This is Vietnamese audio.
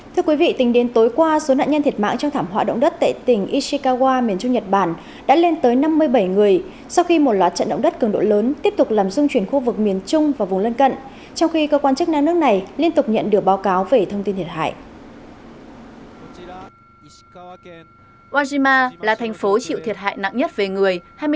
thưa quý vị tình đến tối qua số nạn nhân thiệt mạng trong thảm họa động đất tại tỉnh ishikawa miền trung nhật bản đã lên tới năm mươi bảy người sau khi một loạt trận động đất cường độ lớn tiếp tục làm dung chuyển khu vực miền trung và vùng lân cận trong khi cơ quan chức năng nước này liên tục nhận được báo cáo về thông tin thiệt hại